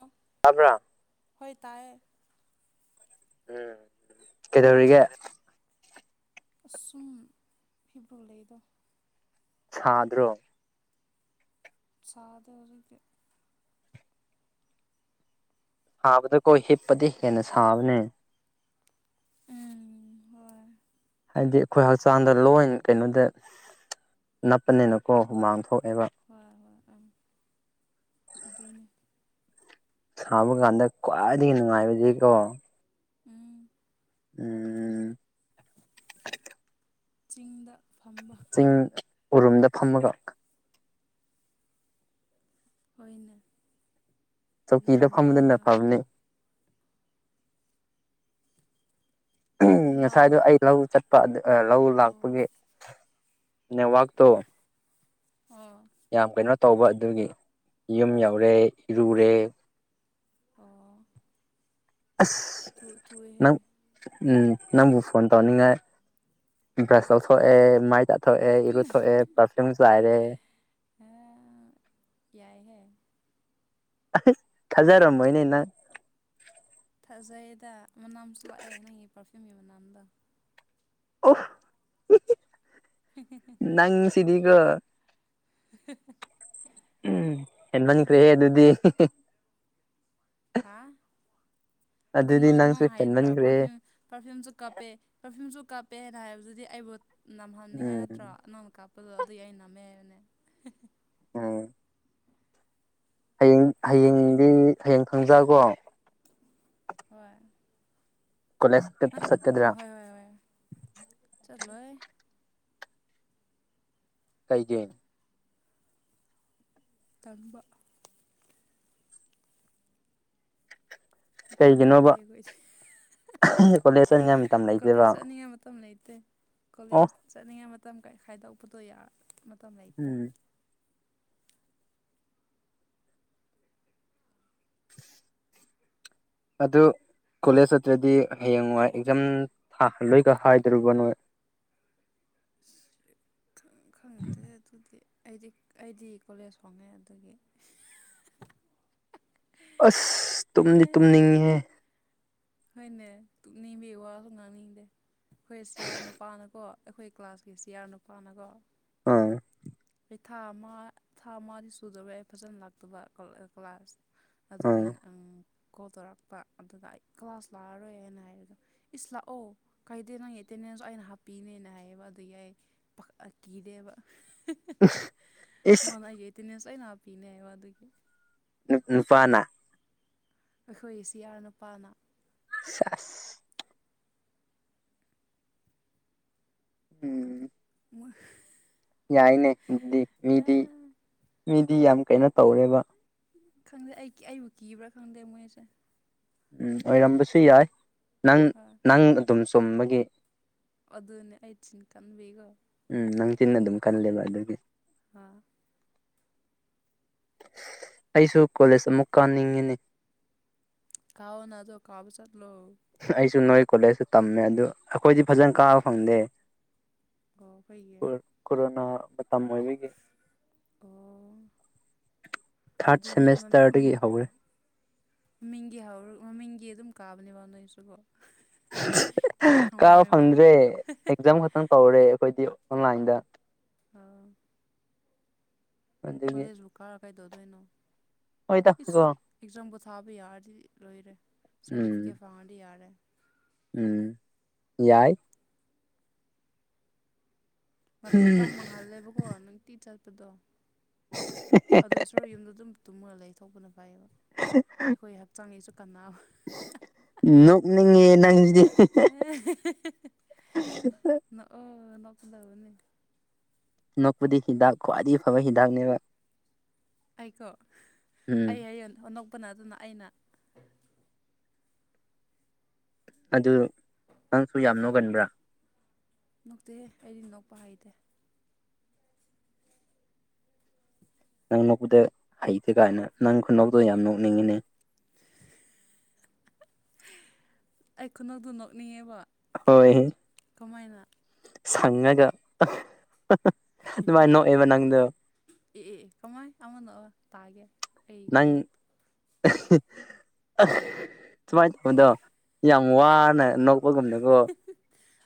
ꯑꯣ ꯇꯥꯕ꯭ꯔꯥ ꯍꯣꯏ ꯇꯥꯏ ꯎꯝ ꯀꯩꯗꯧꯒ ꯑꯁꯨꯝ ꯐꯤꯕ꯭ꯔꯣꯜ ꯂꯩꯗꯣ ꯁꯥꯗ꯭ꯔꯣ ꯁꯥꯗ ꯑꯣꯏꯔꯒꯤ ꯍꯥꯕꯗ ꯀꯣꯏ ꯍꯤꯞꯄꯗ ꯍꯦꯅ ꯁꯥꯥꯕꯅꯦ ꯎꯝ ꯍꯣꯏ ꯍꯥꯏꯗꯤ ꯑꯩꯈꯣꯏ ꯍꯛꯆꯥꯡꯗ ꯂꯣꯏ ꯀꯩꯅꯣꯗ ꯅꯞꯄꯅꯤꯅꯀꯣ ꯍꯨꯃꯥꯡ ꯊꯣꯛꯑꯦꯕ ꯍꯣꯏ ꯍꯣꯏ ꯑ ꯑꯗꯨꯅꯦ ꯁꯕ ꯀꯥꯟꯗ ꯈ꯭ꯋꯥꯏꯗꯒꯤꯅꯅꯨꯡꯉꯥꯏꯕꯗꯤꯀꯣ ꯎꯝ ꯎꯝ ꯆꯤꯡꯗ ꯐꯝꯕ ꯇꯤꯡ ꯎꯔꯨꯝꯗ ꯐꯝꯃꯒ ꯍꯣꯏꯅꯦ ꯑꯗꯨꯅ ꯆꯧꯀꯤꯗ ꯅꯨꯡꯉꯥꯏꯕꯅꯦ ꯐꯝꯕꯗꯨꯅ ꯍ ꯐꯕꯅꯤ ꯍꯜꯂꯣ ꯉꯁꯥꯏꯗꯣ ꯑꯩ ꯂꯧ ꯆꯠꯄ ꯂꯧ ꯑꯣ ꯂꯥꯛꯄꯒꯤ ꯅꯦꯠꯋꯥꯛꯇꯣ ꯑꯣ ꯌꯥꯝ ꯀꯩꯅꯣ ꯇꯧꯕ ꯑꯗꯨꯒꯤ ꯌꯨꯝ ꯌꯧꯔꯦ ꯏꯔꯨꯔꯦ ꯑꯣ ꯑꯁ ꯊꯨ ꯊꯨꯏꯍꯦ ꯅꯪ ꯎꯝ ꯅꯪꯕꯨ ꯐꯣꯟ ꯇꯧꯅꯤꯡꯉꯥꯏ ꯕ꯭ꯔꯁ ꯇꯧꯊꯣꯛꯑꯦ ꯃꯥꯏ ꯇꯥ ꯊꯣꯛꯑꯦ ꯏꯔꯨꯠ ꯊꯣꯛꯑꯦ ꯄꯔꯐ꯭ꯌꯨꯝ ꯆꯥꯏꯔꯦ ꯍꯦ ꯌꯥꯏꯍꯦ [unintelligible] ꯊꯥꯖꯔꯝꯃꯣꯏꯅꯦ ꯅꯪ ꯊꯥꯖꯩꯗ ꯃꯅꯥꯝꯁꯨ ꯂꯥꯛꯑꯦ ꯅꯪꯒꯤ ꯄꯥꯔꯐ꯭ꯌꯨꯝꯒꯤ ꯃꯅꯥꯝꯗꯣ ꯑꯣ [unintelligible] ꯅꯪꯁꯤꯗꯤꯀꯣ [unintelligible] ꯎꯝ ꯍꯟꯃꯟꯈ꯭ꯔꯦ ꯑꯗꯨꯗꯤ ꯍꯤꯍꯤ ꯍꯥ ꯑꯗꯨ ꯑꯗꯨꯗꯤ ꯅꯪ ꯅꯪꯁꯨ ꯅꯪ ꯍꯥꯏꯗ꯭ꯔꯣ ꯍꯦꯟꯃꯟꯈ꯭ꯔꯦꯍꯦ ꯄꯥꯔꯐꯤꯌꯨꯝ ꯄꯥꯔꯐ꯭ꯌꯨꯝꯁꯨ ꯀꯞꯄꯦ ꯄꯔꯐ꯭ꯌꯨꯝꯁꯨ ꯀꯥꯞꯄꯦꯅ ꯍꯥꯏꯕꯗꯨꯗꯤ ꯑꯩꯕꯨ ꯅꯝꯍꯟꯅꯤꯡꯉꯥꯏ ꯅꯠꯇ꯭ꯔꯣ ꯎꯝ ꯅꯉꯣꯟ ꯀꯥꯞ ꯄꯗꯣ ꯑꯗꯨꯏ ꯑꯩ ꯅꯝꯃꯦ ꯍꯥꯏꯝꯅꯦ [unintelligible] ꯎꯝ ꯍꯌꯦꯡ ꯍꯌꯦꯡꯗꯤ ꯍꯌꯦꯡ ꯈꯪꯖ ꯀꯣ ꯍꯣꯏ ꯀꯣꯂꯦꯖ ꯅꯠ ꯎꯝ ꯆꯠꯀꯗ꯭ꯔꯥ ꯍꯣꯏ ꯍꯣꯏ ꯍꯣꯏ ꯆꯠꯂꯣꯏ ꯀꯩꯒꯤ ꯇꯝꯕ ꯃꯇꯝ ꯂꯩꯇꯦ ꯀꯩꯒꯤꯅꯣꯕ ꯑꯩꯈꯣꯏꯗꯤ ꯀꯣꯂꯦꯖ ꯆꯠꯅꯤꯡꯉꯥꯏ ꯃꯇꯝ [unintelligible] ꯂꯩꯇꯦꯕ ꯀꯣꯂꯦꯁ ꯆꯠꯅꯤꯉꯥꯏ ꯃꯇꯝ ꯂꯩꯇꯦ ꯑꯣ ꯀꯣꯂꯦꯖ ꯆꯠꯅꯤꯡꯉꯩ ꯃꯇꯝ ꯀ ꯈꯥꯏꯗꯣꯛꯄꯗꯣ ꯌꯥ ꯃꯇꯝ ꯂꯩꯇꯦ ꯎꯝ [inaudible] ꯑꯗꯨ ꯀꯣꯂꯦꯖ ꯆꯠꯇ꯭ꯔꯗꯤ ꯍꯌꯦꯡꯋꯥꯏ ꯑꯦꯛꯖꯥꯝ ꯊꯥꯍꯜꯂꯣꯏꯒ ꯍꯥꯏꯗꯨꯔꯤꯕꯅꯣꯏ ꯈꯪꯗꯦ ꯑꯗꯨꯗꯤ ꯑꯩꯗꯤ ꯑꯩꯗꯤ ꯀꯣꯂꯦꯖ ꯍꯣꯡꯉꯦ ꯑꯗꯨꯒꯤ ꯑꯁ ꯑꯦ ꯇꯨꯝꯗꯤ ꯇꯨꯝꯅꯤꯡꯉꯦꯍꯦ ꯍꯣꯏꯅꯦ ꯇꯨꯞꯅꯤꯡꯕ ꯋꯥꯁꯨ ꯉꯥꯡꯅꯤꯡꯗꯦ ꯍꯣꯏꯔꯁꯨ ꯌꯥꯔ ꯅꯨꯄꯥꯅꯀꯣ ꯑꯩꯈꯣꯏ ꯀ꯭ꯂꯥꯁꯀꯤ ꯆꯤꯌꯥꯔ ꯅꯨꯄꯥꯅꯒꯣ ꯑꯪ ꯊꯥ ꯑꯃ ꯊꯥ ꯑꯃꯗꯤ ꯁꯨꯗꯧꯔꯦ ꯑꯩ ꯐꯖꯅ ꯂꯥꯛꯇꯕ ꯀꯣꯂꯦ ꯀ꯭ꯂꯥꯁ ꯑꯗꯨꯒꯤ ꯑꯥ ꯉ ꯑꯪ ꯀꯣꯜ ꯇꯧꯔꯛꯄ ꯑꯗꯨꯗ ꯑꯩ ꯀ꯭ꯂꯥꯁ ꯂꯥꯛꯑꯔꯣꯏꯅ ꯍꯥꯏꯔꯗꯣ ꯏꯁ ꯂꯥꯛꯑꯣ ꯀꯥꯏꯗꯦ ꯅꯪ ꯑꯦꯇꯦꯟꯗꯦꯟꯁ ꯑꯩꯅ ꯍꯥꯞꯄꯤꯅꯦꯅ ꯍꯥꯏꯌꯦꯕ ꯑꯗꯨ ꯌꯥꯏ ꯄ ꯑꯩ ꯀꯤꯗꯦꯕ ꯎ ꯃꯥꯟꯅ ꯑꯩꯒꯤ ꯑꯦꯇꯤꯅꯦꯁ ꯂꯣꯏꯅ ꯍꯥꯄꯤꯅꯦ ꯍꯥꯏꯕ ꯑꯗꯨꯒꯤ ꯅꯨ ꯅꯨꯄꯥꯅ ꯑꯩꯈꯣꯏ ꯁꯤꯌꯔ ꯅꯨꯄꯥꯅ ꯁꯦꯁ [unintelligible] ꯎꯝ [unintelligible] ꯌꯥꯏꯅꯦ ꯑꯗꯨꯗꯤ ꯃꯤꯗꯤ ꯃꯤꯗꯤ ꯌꯥꯝ ꯀꯩꯅꯣ ꯇꯧꯔꯦꯕ ꯈꯪꯗꯦ ꯑꯩ ꯑꯩꯕꯨ ꯀꯤꯕ꯭ꯔꯥ ꯈꯪꯗꯦ ꯃꯣꯏꯁꯦ ꯎꯝ ꯑꯣꯏꯔꯝꯕꯁꯨ ꯌꯥꯏ ꯅꯪ ꯍꯣꯏ ꯅꯪ ꯑꯗꯨꯝ ꯆꯨꯝꯕꯒꯤ ꯑꯗꯨꯅꯦ ꯑ ꯆꯤꯟ ꯀꯥꯟ ꯕꯒ ꯎꯝ ꯅꯪ ꯆꯤꯟꯅ ꯑꯗꯨꯝ ꯀꯜꯂꯦꯕ ꯑꯗꯨꯒꯤ ꯍꯥꯥ ꯑꯩꯁꯨ ꯀꯣꯂꯦꯖ ꯑꯃꯨꯛ ꯀꯥꯅꯤꯡꯉꯤꯅꯦ ꯀꯑꯣ ꯅ ꯑꯗꯨꯣ ꯀꯕꯨ ꯆꯠꯣ ꯑꯩꯁꯨ ꯅꯣꯏ ꯀꯣꯂꯦꯖꯇ ꯇꯝꯃꯦ ꯑꯗꯨ ꯑꯩꯈꯣꯏꯗꯤ ꯐꯖꯅ ꯀꯥꯕ ꯐꯪꯗꯦ ꯀ ꯐꯩꯒ ꯀꯣꯔꯣꯅꯥ ꯑꯣꯏꯕꯒꯤ ꯑꯣ ꯊꯥꯔꯠ ꯑꯗꯨꯗꯤꯃꯤ ꯁꯦꯃꯤꯁꯇꯔꯗꯒꯤ ꯍꯧꯔꯦ ꯃꯃꯤꯡꯒꯤ ꯍꯧꯔ ꯃꯃꯤꯡꯒꯤ ꯑꯗꯨꯝ ꯀꯥꯕꯅꯦꯕ ꯅꯣꯏꯁꯨꯕꯣ ꯀꯥꯕ ꯐꯪꯗ꯭ꯔꯦ ꯑꯦꯛꯖꯥꯝ ꯈꯛꯇꯪ ꯇꯧꯔꯦ ꯑꯩꯈꯣꯏꯗꯤ ꯑꯣꯟꯂꯥꯏꯟꯗ ꯑꯥ ꯑꯗꯨꯒꯤ ꯍꯣꯂꯦꯁꯨ ꯀꯥꯔ ꯀꯥꯏꯗꯧꯗꯣꯏꯅꯣ ꯍꯣꯏꯗ ꯀꯣ ꯏꯁꯤꯁ ꯑꯦꯛꯖꯥꯝ ꯄꯣꯊꯥꯕ ꯌꯥꯔꯗꯤ ꯂꯣꯏꯔꯦ ꯎꯝ ꯁꯥꯔꯇꯤꯐꯤꯀꯦꯠ ꯐꯪꯉꯗꯤ ꯌꯥꯔꯦ ꯎꯝ ꯌꯥꯏ ꯃꯇꯝ ꯃꯥꯡꯍꯜꯂꯦꯕꯀꯣ ꯅꯨꯡꯇꯤ ꯆꯠꯄꯗꯣ ꯑꯗꯨ ꯊ꯭ꯔꯣ ꯌꯨꯝꯗꯣ ꯑꯗꯨꯝ ꯇꯨꯝꯃꯒ ꯂꯩ ꯊꯣꯛꯄꯅ ꯐꯩꯌꯦꯕ [inaudible] ꯑꯩꯈꯣꯏ ꯍꯛꯆꯥꯡꯒꯤꯁꯨ ꯀꯥꯟ ꯅꯅꯤꯡꯉ ꯅꯪꯗꯤ ꯍ ꯅꯑꯣ ꯅꯄꯨꯗꯥꯕꯅꯤ ꯅꯣꯛꯄꯗꯤ ꯍꯤꯗꯥꯛ ꯈ꯭ꯋꯥꯏꯗꯒꯤ ꯐꯕ ꯍꯤꯗꯥꯛꯅꯦꯕ ꯑꯩꯀꯣ ꯎꯝ ꯑꯩ ꯍꯌꯦ ꯑꯅꯣꯛꯄꯅ ꯑꯗꯨꯅ ꯑꯩꯅ ꯑꯗꯨ ꯅꯪꯁꯨ ꯌꯥꯝ ꯅꯣꯒꯟꯕ꯭ꯔꯥ ꯅꯣꯛꯇꯦꯍꯦ ꯑꯩꯗꯤ ꯅꯣꯛꯄ ꯍꯩꯗꯦ ꯅꯪꯅꯧꯕꯗ ꯍꯩꯇꯦ ꯀꯥꯏꯅ ꯅꯪ ꯈꯨꯅꯧꯗꯣ ꯌꯥꯝ ꯅꯣꯛꯅꯤꯡꯉꯤꯅꯦ ꯑꯩ ꯈꯨꯅꯧꯗꯨ ꯅꯣꯛꯅꯤꯡꯉꯦꯕ ꯍꯣꯏ ꯀꯃꯥꯏꯅ ꯁꯪꯉꯒ ꯑꯗꯨꯃꯥꯏꯅ ꯅꯣꯛꯑꯦꯕ ꯅꯪꯗꯣ ꯑꯦ ꯀꯃꯥꯏ ꯑꯃꯅ ꯇꯥꯒꯦ ꯑꯩ ꯅꯪ ꯈꯨꯅꯣꯛ ꯁꯨꯃꯥꯏꯅ ꯇꯧꯕꯗꯣ ꯌꯥꯝ ꯋꯥꯅ ꯅ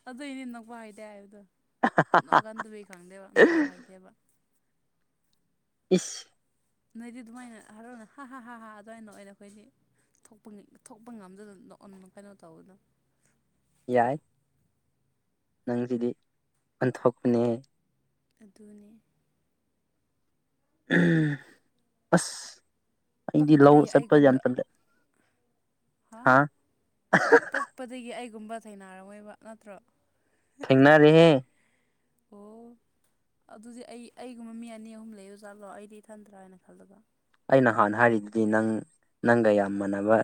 ꯑꯗꯨ ꯏꯅꯦ ꯅꯣꯛꯄ ꯍꯥꯏꯗꯦ ꯍꯥꯏꯕꯗꯣ ꯅꯒꯟꯗꯕ ꯈꯪꯗꯦꯕ ꯑꯅꯣꯛꯄ ꯍꯩꯇꯦꯕ ꯏꯁꯁ ꯅꯣꯏꯗꯤ ꯑꯗꯨꯃꯥꯏꯅ ꯍꯔꯥꯎꯅ ꯍꯥ ꯍꯥ ꯑꯗꯨꯃꯥꯏꯅ ꯑꯣꯏꯅꯔꯦ ꯑꯩꯈꯣꯏꯗꯤ ꯊꯣꯛꯄ ꯉꯝꯗꯗꯅ ꯀꯩꯅꯣ ꯇꯧꯕꯅ ꯌꯥꯏ ꯅꯪꯁꯤꯗꯤ ꯑꯣꯟꯊꯣꯛꯄꯅꯦ ꯑꯗꯨꯅꯤ ꯑꯁ ꯑꯩꯗꯤ ꯂꯧ ꯄꯣꯛꯄꯗꯒꯤ ꯆꯠꯄ ꯌꯥꯝ ꯑꯩꯒꯨꯝꯕ ꯆꯟꯖꯦ ꯍꯥ ꯄꯣꯛꯄꯗꯒꯤ ꯑꯩꯒꯨꯝꯕ ꯊꯦꯡꯅꯔꯝꯉꯣꯏꯕ ꯅꯠꯇ꯭ꯔꯣ ꯊꯦꯡꯅꯔꯤꯍꯦ ꯑꯣ ꯑꯗꯨꯗꯤ ꯑꯩ ꯑꯩꯒꯨꯝꯕ ꯃꯤ ꯑꯅꯤ ꯑꯍꯨꯝ ꯂꯩ ꯑꯣꯖꯥꯠꯂꯣ ꯑꯩꯗꯤ ꯏꯊꯟꯗ꯭ꯔꯥ ꯍꯥꯏꯅ ꯈꯜꯂꯒ ꯑꯩꯅ ꯍꯥꯟꯅ ꯍꯥꯏꯔꯤꯗꯨꯗꯤ ꯅꯪ ꯅꯪꯒ ꯌꯥꯝ ꯃꯥꯟꯅꯕ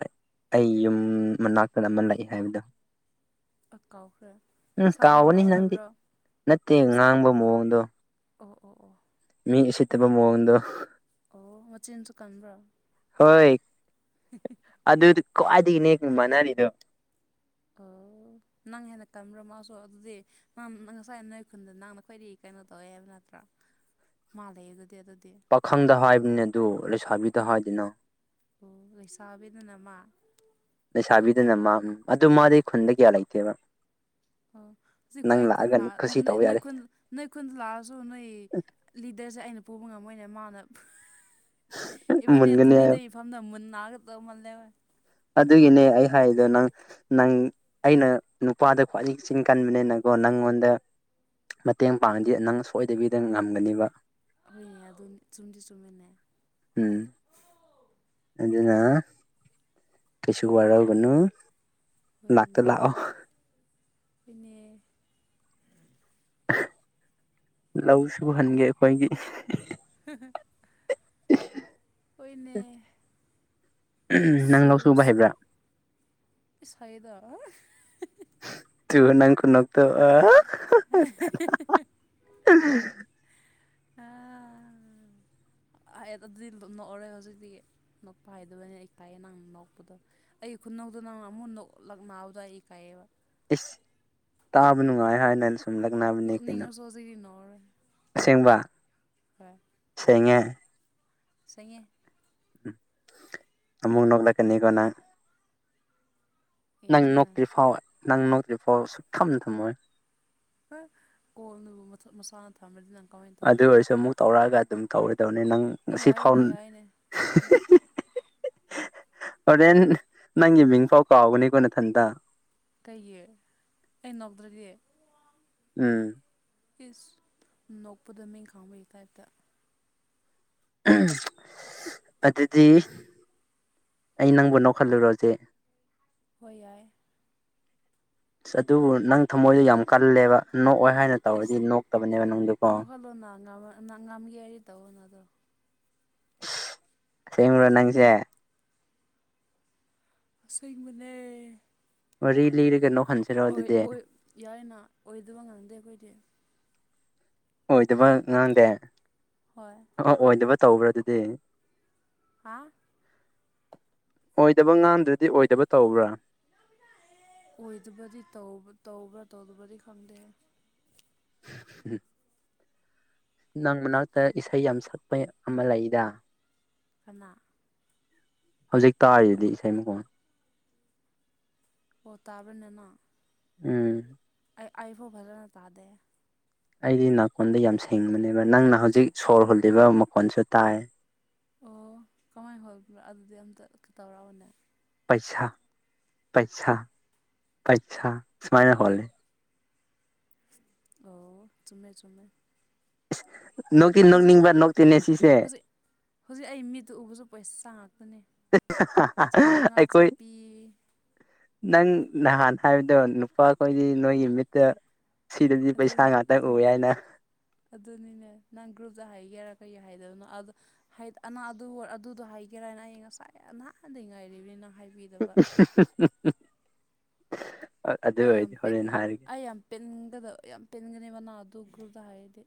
ꯑꯩ ꯌꯨꯝ ꯃꯅꯥꯛꯇ ꯑꯃ ꯂꯥꯛꯑꯦ ꯍꯥꯏꯕꯗꯣ ꯀꯥꯎꯈ꯭ꯔꯦ ꯎꯝ ꯁꯛ ꯀꯥꯎꯒꯅꯤ ꯃꯅꯥꯏ ꯅꯪꯗꯤ ꯍꯥꯏꯕ꯭ꯔꯣ ꯅꯠꯇꯦ ꯁꯛ ꯉꯥꯡꯕ ꯃꯑꯣꯡꯗꯣ ꯑꯣ ꯑꯣ ꯑꯣ ꯃꯤ ꯎꯁꯤꯠꯇꯕ ꯃꯑꯣꯡꯗꯣ ꯑꯣ ꯃꯆꯤꯟꯁꯨ ꯀꯟꯕ꯭ꯔꯥ ꯍꯣꯏ ꯑꯗꯨꯗꯤ ꯈ꯭ꯋꯥꯏꯗꯒꯤ ꯅꯦ ꯃꯥꯟꯅꯔꯤꯗꯣ ꯑꯣ ꯅꯪ ꯍꯦꯟꯅ ꯇꯟꯕ꯭ꯔ ꯃꯥꯁꯨ ꯑꯗꯨꯗꯤ ꯅꯪ ꯅ ꯉꯁꯥꯏ ꯅꯣꯏ ꯈꯨꯟꯗ ꯅꯪꯅ ꯈ꯭ꯋꯥꯏꯗꯩ ꯀꯩꯅꯣ ꯇꯧꯋꯦ ꯍꯥꯏꯕ ꯅꯠꯇ꯭ꯔꯥ ꯃꯥ ꯂꯩ ꯑꯗꯨꯗꯤ ꯑꯗꯨꯗꯤ ꯄꯥꯈꯪꯗ ꯍꯥꯏꯕꯅꯦ ꯑꯗꯨ ꯂꯩꯁꯥꯕꯤꯗ ꯍꯥꯏꯗꯦꯅ ꯎ ꯂꯩꯁꯥꯕꯤꯗꯅ ꯃꯥ ꯂꯩꯁꯥꯕꯤꯗꯅ ꯃꯥ ꯎꯝ ꯑꯗꯨ ꯃꯥꯗꯤ ꯈꯨꯟꯗ ꯀꯌꯥ ꯂꯩꯇꯦꯕ ꯑꯣ ꯖꯤꯛ ꯀꯣ ꯅꯪ ꯑꯩ ꯈꯨꯟ ꯂꯥꯛꯑꯒ ꯂꯥꯛ ꯈꯨꯁꯤ ꯅꯣꯏ ꯇꯧꯕ ꯅꯣꯏ ꯌꯥꯔꯦ ꯈꯨꯟ ꯅꯣꯏ ꯈꯨꯟꯗ ꯂꯥꯛꯑꯁꯨ ꯅꯣꯏ ꯂꯤꯗꯔꯁꯦ ꯑꯩꯅ ꯄꯨꯕ ꯉꯝꯃꯣꯏꯅꯦ ꯃꯥꯅ ꯏꯕꯅꯤ ꯑꯗꯨ ꯃꯨꯟꯒꯅꯤ ꯂꯤꯗ ꯍꯥꯏꯌꯣ ꯏꯐꯝꯗ ꯃꯨꯟꯅꯒꯗꯧ ꯃꯥꯜꯂꯦꯕ ꯑꯗꯨꯒꯤꯅꯦ ꯑꯩ ꯍꯥꯏꯗꯣ ꯅꯪ ꯅꯪ ꯑꯩꯅ ꯅꯨꯄꯥꯗ ꯈ꯭ꯋꯥꯏꯗꯒꯤ ꯆꯤꯟ ꯀꯟꯕꯅꯤꯅꯀꯣ ꯅꯪꯉꯣꯟꯗ ꯃꯇꯦꯡ ꯄꯥꯡꯉꯗꯤ ꯅꯪꯅ ꯁꯣꯏꯗꯕꯤꯗ ꯉꯝꯒꯅꯤꯕ ꯍꯣꯏꯅꯦ ꯑꯗꯨꯅꯤ ꯆꯨꯝꯗꯤ ꯆꯨꯝꯃꯤꯅꯦ ꯎꯝ ꯑꯗꯨꯅ ꯀꯩꯁꯨ ꯋꯥꯔꯧꯒꯅꯨ ꯂꯥꯛꯇ ꯂꯥꯛꯑꯣ ꯍꯣꯏꯅꯦ ꯐꯣꯏꯅꯦ ꯑꯍ ꯂꯧ ꯁꯨꯍꯟꯒꯦ ꯑꯩꯈꯣꯏꯒꯤ ꯍ ꯍ ꯍꯣꯏꯅꯦ ꯅꯪ ꯁꯨ ꯂꯧ ꯁꯨꯕ ꯁꯨ ꯍꯩꯕ꯭ꯔꯥ ꯄꯩꯁꯥꯏꯗ ꯇꯨꯏꯕ ꯅꯪ ꯈꯨꯅꯣꯛꯇꯨ ꯑ ꯍꯍ ꯍ ꯍꯥ ꯍꯥ ꯑꯥ ꯑ ꯍꯥꯏ ꯑꯗꯨꯗꯤ ꯂꯨ ꯅꯣꯛꯑꯔꯣꯏ ꯍꯧꯖꯤꯛꯇꯒꯤ ꯅꯣꯛꯄ ꯍꯥꯏꯗꯕꯅꯦ ꯑꯩ ꯇꯥꯏꯑꯦ ꯅꯪ ꯅꯣꯛꯄꯗꯣ ꯑꯩꯒꯤ ꯈꯨꯅꯣꯛꯇꯨ ꯅꯪꯅ ꯑꯃꯨ ꯅꯣꯛ ꯂꯛꯅꯥꯕꯗꯣ ꯑꯩ ꯏꯀꯥꯏꯌꯦꯕ ꯏꯁ ꯇꯥꯕ ꯅꯨꯡꯉꯥꯏ ꯍꯥꯏꯅꯁꯨ ꯁꯨꯝ ꯂꯥꯛꯅꯕ ꯅꯣꯛꯅꯤꯡꯉꯁꯨ ꯍꯧꯖꯤꯛꯗꯤ ꯅꯣꯛꯑꯔꯣꯏ ꯑꯁꯦꯡꯕ ꯍꯣꯏ ꯁꯦꯡꯉꯦ ꯁꯦꯡꯉꯦ ꯑꯃꯨꯛ ꯅꯣꯛꯂꯛꯀꯅꯤꯀꯣ ꯅꯪ ꯅꯪ ꯅꯣꯛꯇ꯭ꯔꯤ ꯐꯥꯎ ꯅꯪ ꯅꯣꯛꯇ꯭ꯔꯤ ꯐꯥꯎ ꯁꯨꯛ ꯊꯝ ꯊꯝꯃꯣꯏ ꯍ ꯀꯣꯜꯅꯕꯨ ꯃꯊꯛ ꯃꯁꯥꯟ ꯊꯝꯔꯗꯤ ꯅꯪ ꯀꯃꯥꯏ ꯑꯗꯨ ꯑꯣꯏꯔꯁꯨ ꯑꯃꯨꯛ ꯇꯧꯔꯛꯑꯒ ꯑꯗꯨꯝ ꯇꯧꯔꯗꯕꯅꯤ ꯅꯪ ꯁꯤ ꯌꯥꯏꯅꯦ ꯐꯥꯎꯟ ꯍꯦ ꯌꯥꯏꯅꯦ ꯌꯥꯏ ꯍꯦ ꯍꯤ ꯍꯤ ꯍ ꯍ ꯍꯣꯔꯦꯟ ꯅꯪꯒꯤ ꯃꯤꯡꯐꯥꯎ ꯀꯥꯎꯒꯅꯤꯀꯣ ꯅꯊꯟꯇ ꯀꯩꯒꯤ ꯑꯩ ꯅꯣꯛꯇ꯭ꯔꯗꯤ ꯎꯝ ꯏꯁ ꯅꯣꯛꯄꯗ ꯃꯤꯡ ꯈꯥꯡꯕꯩ ꯇꯥꯏꯞꯇ ꯎꯝ ꯁꯁ ꯑꯗꯨꯗꯤ ꯑꯩ ꯅꯪꯕꯨ ꯅꯣꯛꯍꯜꯂꯨꯔꯣ ꯍꯧꯖꯤꯛ ꯍꯣꯏ ꯌꯥꯏ ꯑꯁ ꯑꯗꯨꯕꯨ ꯅꯪ ꯊꯃꯣꯏꯗꯣ ꯌꯥꯝ ꯀꯜꯂꯦꯕ ꯅꯣꯛꯑꯣ ꯍꯥꯏꯅ ꯇꯧꯔꯗꯤ ꯅꯣꯛꯇꯕꯅꯦꯕ ꯅꯪꯗꯨꯀꯣ ꯂꯧꯁꯤꯟꯕ ꯉꯝꯗꯕ ꯅ ꯉꯝꯒꯦ ꯍꯥꯏꯔꯗꯤ ꯇꯧꯋꯣꯅ ꯑꯗꯣ ꯑꯁꯦꯡꯕꯔꯣ ꯅꯪꯁꯦ ꯑꯁꯦꯡꯕꯅꯦ ꯃꯔꯤ ꯂꯤꯔꯒ ꯅꯣꯛꯍꯟꯁꯦ ꯑꯣꯏ ꯑꯣꯏ ꯌꯥꯔꯦꯅ ꯑꯣꯏꯗꯕ ꯉꯡꯗꯦ ꯑꯩꯈꯣꯏꯗꯤ ꯑꯣꯏꯗꯕ ꯉꯥꯡꯗꯦ ꯍꯣꯏ ꯑ ꯑꯣꯏꯗꯕ ꯇꯧꯕ꯭ꯔꯥ ꯑꯗꯨꯗꯤ ꯍꯥꯥ ꯑꯣꯏꯗꯕ ꯉꯥꯟꯗ꯭ꯔꯗꯤ ꯑꯣꯏꯗꯕ ꯇꯧꯕ꯭ꯔꯥ ꯑꯣꯏꯗꯕꯗꯤ ꯇꯧꯕ꯭ꯔꯥ ꯇꯧꯗꯕꯗꯤ ꯈꯪꯗꯦ ꯎꯝ ꯅꯪ ꯃꯅꯥꯛꯇ ꯏꯁꯩ ꯌꯥꯝ ꯁꯛꯄ ꯑꯃ ꯂꯩꯗ ꯀꯅꯥ ꯍꯧꯖꯤꯛ ꯇꯥꯔꯤꯁꯤꯗꯤ ꯏꯁꯩ ꯃꯈꯣꯟ ꯄꯣ ꯇꯥꯕꯅꯤꯅ ꯎꯝ ꯑꯩ ꯐꯣꯟ ꯐꯖꯅ ꯇꯥꯗꯦ ꯑꯩꯗꯤ ꯅꯥꯀꯣꯟꯗ ꯌꯥꯝ ꯁꯦꯡꯕꯅꯦꯕ ꯅꯪꯅ ꯍꯧꯖꯤꯛ ꯁꯣꯔ ꯍꯨꯜꯂꯤꯕ ꯃꯀꯣꯟꯁꯨ ꯇꯥꯏ ꯑꯣ ꯀꯃꯥꯏꯅ ꯍꯣꯕꯅꯣ ꯑꯗꯨꯗꯤ ꯑꯝꯇ ꯇꯧꯔꯛꯑꯣꯅꯦ ꯄꯩꯁꯥ ꯄꯩꯁꯥ ꯄꯩꯁꯥ ꯁꯨꯃꯥꯏꯅ ꯍꯣꯟꯂꯦ ꯑꯣ ꯆꯨꯝꯃꯦ ꯆꯨꯝꯃꯦ ꯅꯣꯛꯇꯤ ꯍꯧꯖꯤꯛ ꯅꯣꯛꯅꯤꯡꯕ ꯅꯣꯛꯇꯦꯅꯦ ꯁꯤꯁꯦ ꯍꯧꯖꯤꯛ ꯍꯧꯖꯤꯛ ꯑꯩ ꯃꯤꯠꯇ ꯎꯕꯁꯨ ꯄꯩꯁ ꯉꯛꯇꯅꯦ ꯑꯩꯈꯣꯏ ꯅꯪ ꯅꯍꯥꯟ ꯍꯥꯏꯕꯗꯣ ꯅꯨꯄꯥꯈꯣꯏꯗꯤ ꯅꯣꯏꯒꯤ ꯃꯤꯠꯇ ꯁꯤꯗꯗꯤ ꯄꯩꯁꯥ ꯑꯗꯨꯅꯤ ꯉꯥꯛꯇꯪ ꯑꯗꯨ ꯎꯏ ꯍꯥꯏꯅ ꯑꯗꯨꯅꯤꯅꯦ ꯅꯪ ꯒ꯭ꯔꯨꯞꯇ ꯍꯥꯏꯒꯦꯔꯥ ꯀꯩ ꯍꯥꯏꯗꯕꯅꯣ ꯑꯗꯣ ꯑ ꯑꯗꯨꯗꯣ ꯍꯥꯏꯒꯦꯔꯥ ꯍꯥꯏꯅ ꯑꯩ ꯉꯁꯥꯏ ꯅꯍꯥꯟꯗ ꯉꯥꯏꯔꯤꯕꯅꯤꯅ ꯍꯥꯏꯕꯤ ꯑꯗꯨ ꯑꯣꯏꯔꯗꯤ ꯍꯣꯔꯦꯟ ꯍꯥꯏꯔꯒꯦ ꯄꯦꯟꯒꯗꯕ ꯌꯥꯝ ꯄꯦꯟꯒꯅꯤ ꯅꯪꯅ ꯑꯗꯨ ꯒ꯭ꯔꯨꯗ ꯍꯥꯏꯗꯤ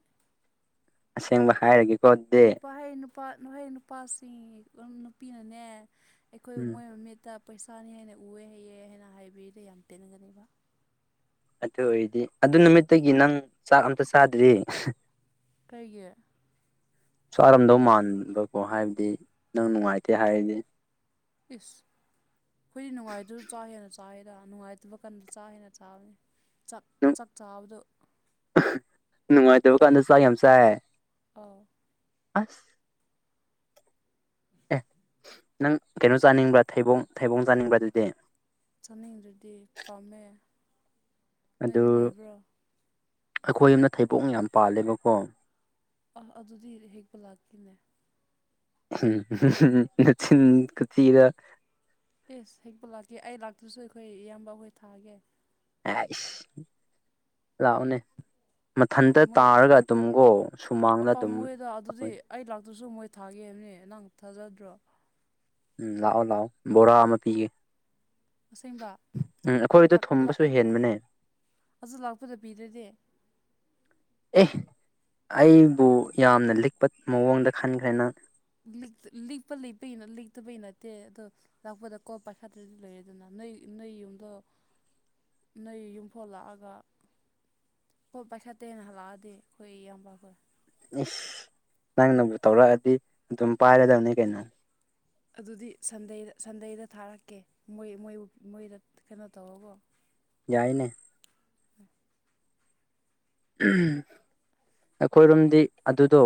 ꯑꯁꯦꯡꯕ ꯍꯥꯏꯔꯒꯦ ꯅꯨꯄꯥ ꯅꯨꯄꯥ ꯅꯨꯄꯥꯍꯩ ꯅꯨꯄꯥꯁꯤꯡ ꯅꯨꯄꯤꯅꯅꯦ ꯑꯩꯈꯣꯏꯕꯨ ꯎꯝ ꯃꯣꯏ ꯃꯃꯤꯠꯇ ꯄꯩꯁꯥꯅꯤ ꯍꯥꯏꯅ ꯎꯑꯦ ꯍꯥꯏꯅ ꯍꯥꯏꯕꯤꯗꯤ ꯌꯥꯝ ꯄꯦꯟꯅꯒꯅꯦꯕ ꯑꯗꯨ ꯑꯣꯏꯔꯗꯤ ꯑꯗꯨ ꯅꯨꯃꯤꯠꯇꯒꯤ ꯅꯪ ꯆꯥꯛ ꯑꯝꯇ ꯆꯥꯗ꯭ꯔꯤ ꯀꯩꯒꯤ ꯆꯔꯝꯗꯧ ꯃꯥꯟꯕꯀꯣ ꯍꯥꯏꯕꯗꯤ ꯅꯪ ꯅꯨꯡꯉꯥꯏꯇꯦ ꯍꯥꯏꯔꯗꯤ ꯏꯁ ꯑꯩꯈꯣꯏꯗꯤ ꯅꯨꯡꯉꯥꯏꯗꯨꯁꯨ ꯆꯥꯛ ꯍꯦꯟꯅ ꯆꯥꯏꯗ ꯅꯨꯡꯉꯥꯏꯇꯕ ꯀꯥꯟꯗ ꯆꯥꯛ ꯍꯦꯟꯅ ꯆꯥꯕꯅꯤ ꯆꯥꯛ ꯆꯥꯛ ꯆꯥꯕꯗꯣ ꯅꯨꯡꯉꯥꯏꯇꯕ ꯀꯥꯟꯗ ꯆꯥꯛ ꯌꯥꯝ ꯆꯥꯏ ꯑꯥꯎ ꯑꯁ ꯑꯦ ꯅꯪ ꯀꯩꯅꯣ ꯍꯥ ꯆꯥꯅꯤꯡꯕ꯭ꯔꯥ ꯊꯩꯕꯣꯡ ꯊꯩꯕꯣꯡ ꯆꯥꯅꯤꯡꯕ꯭ꯔꯥ ꯑꯗꯨꯗꯤ ꯆꯥꯅꯤꯡꯗꯔꯗꯤ ꯄꯥꯝꯃꯦ ꯑꯗꯨ ꯅꯣꯏꯗꯤ ꯂꯩꯕ꯭ꯔꯣ ꯑꯩꯈꯣꯏ ꯑꯃꯅ ꯊꯩꯕꯣꯛ ꯌꯥꯝ ꯄꯥꯜꯂꯦꯕꯀꯣ ꯑ ꯑꯗꯨꯗꯤ ꯍꯦꯛꯄ ꯂꯥꯛꯀꯦꯅꯦ ꯎꯝ ꯆꯤꯟ ꯊꯤꯔ ꯌꯦꯁ ꯍꯦꯛꯄ ꯂꯥꯛꯀꯦ ꯑꯩ ꯂꯥꯛꯇ꯭ꯔꯁꯨ ꯑꯩꯈꯣꯏ ꯏꯌꯥꯝꯕ ꯑꯩꯈꯣꯏ ꯊꯥꯒꯦ ꯑ ꯂꯛꯑꯣꯅꯦ ꯃꯊꯟꯇ ꯃꯣꯏ ꯇꯥꯔꯒ ꯑꯗꯨꯝꯒꯣ ꯁꯨꯃꯥꯡꯗ ꯑꯗꯨꯝ ꯄꯥꯝꯃꯣꯏꯗ ꯑꯗꯨꯗꯤ ꯇꯧꯋꯦ ꯑꯩ ꯂꯥꯛꯇꯁꯨ ꯃꯣꯏ ꯊꯥꯒꯦ ꯍꯥꯏꯕꯅꯦ ꯅꯪ ꯊꯥꯖꯗ꯭ꯔꯣ ꯎꯝ ꯂꯥꯛꯑꯣ ꯂꯥꯛꯑꯣ ꯕꯣꯔꯥ ꯑꯃ ꯄꯤꯒꯦ ꯑꯁꯦꯡꯕ ꯎꯝ ꯑꯩꯈꯣꯏꯗꯣ ꯊꯨꯝꯕꯁꯨ ꯍꯦꯟꯕꯅꯦ ꯑꯗꯨ ꯂꯥꯛꯄꯗ ꯄꯤꯗꯗꯤ ꯑꯦ ꯑꯩꯕꯨ ꯌꯥꯝꯅ ꯂꯤꯛꯄ ꯃꯑꯣꯡꯗ ꯈꯟꯈ꯭ꯔꯦꯅ ꯂꯤꯛꯄꯄ ꯂꯤꯛꯇꯕꯩ ꯅꯠꯇꯦ ꯑꯗꯣ ꯂꯥꯛꯄꯗꯀꯣ ꯄꯩꯁꯥꯗꯨꯗꯤ ꯂꯩꯔꯦ ꯑꯗꯨꯅ ꯅꯣꯏ ꯅꯣꯏ ꯌꯨꯝꯗꯣ ꯅꯣꯏ ꯌꯨꯝꯐꯥꯎ ꯂꯥꯛꯑꯒ ꯍꯣꯏ ꯄꯥꯏꯈꯥꯠꯇꯦꯅ ꯍꯜꯂꯛꯑꯗꯤ ꯑꯩꯈꯣꯏ ꯏꯌꯥꯝꯕꯈꯣꯏ ꯏꯁ ꯅꯪꯅꯕꯨ ꯇꯧꯔꯛꯑꯗꯤ ꯑꯗꯨꯝ ꯄꯥꯏꯔꯗꯕꯅꯤ ꯀꯩꯅꯣ ꯑꯗꯨꯗꯤ ꯁꯟꯗꯦꯗ ꯁꯟꯗꯦꯗ ꯊꯥꯔꯛꯀꯦ ꯃꯣꯏ ꯃꯣꯏꯕꯨ ꯃꯣꯏꯗ ꯀꯩꯅꯣ ꯇꯧꯔꯒꯣ ꯌꯥꯏꯅꯦ ꯎꯝ ꯑꯩꯈꯣꯏꯔꯣꯝꯗꯤ ꯑꯗꯨꯗꯣ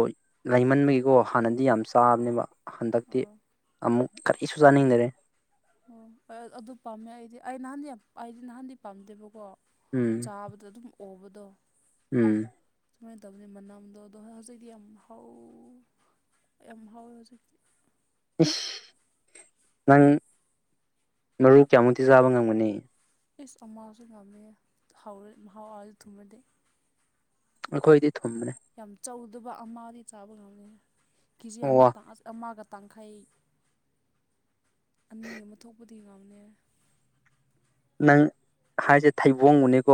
ꯂꯩꯃꯟꯕꯒꯤꯀꯣ ꯍꯥꯟꯅꯗꯤ ꯌꯥꯝ ꯆꯥꯕꯅꯦꯕ ꯍꯟꯗꯛꯇꯤ ꯑꯣ ꯑꯃꯨꯛ ꯀꯔꯤꯁꯨ ꯆꯥꯅꯤꯡꯗꯔꯦ ꯑꯣ ꯑꯗꯨ ꯄꯥꯝꯃꯦ ꯑꯩꯗꯤ ꯑꯩ ꯅꯍꯥꯟꯗꯤ ꯑꯩꯗꯤ ꯅꯍꯥꯟꯗꯤ ꯄꯥꯝꯗꯦꯕꯀꯣ ꯎꯝ ꯆꯥꯕꯗ ꯑꯗꯨꯝ ꯑꯣꯕꯗꯣ ꯎꯝ ꯁꯨꯃꯥꯏꯅ ꯇꯧꯅꯤ ꯃꯅꯝꯗꯣ ꯑꯗꯣ ꯍꯧꯖꯤꯛꯇꯤ ꯌꯥꯝ ꯍꯥꯎ ꯌꯥꯝ ꯍꯥꯎꯋꯦ ꯍꯧꯖꯤꯛꯇꯤ ꯏꯁ ꯅꯪ ꯃꯔꯨ ꯀꯌꯥꯃꯨꯛꯇꯤ ꯆꯥꯕ ꯉꯝꯒꯅꯤ ꯏꯁ ꯑꯃꯁꯨ ꯉꯝꯃꯦ ꯃꯍꯥꯎꯁꯨ ꯊꯨꯝꯃꯗ ꯑꯩꯈꯣꯏꯗꯤ ꯊꯨꯝꯕꯅꯦ ꯌꯥꯝ ꯆꯥꯎꯗꯕ ꯑꯃ ꯆꯥꯕ ꯉꯝꯃꯤ ꯀꯦꯖꯤ ꯑꯣ ꯑꯃ ꯑꯃꯒ ꯇꯥꯡꯈꯩ ꯑꯅꯤ ꯑꯃ ꯊꯣꯛꯄꯗꯤ ꯉꯝꯅꯦ ꯅꯪ ꯍꯥꯏꯁꯦ ꯊꯩꯕꯣꯡꯕꯨꯅꯦꯀꯣ